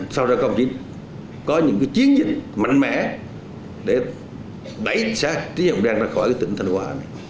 sau đó có những chiến dịch mạnh mẽ để đẩy tiến dụng đen ra khỏi tỉnh thành quá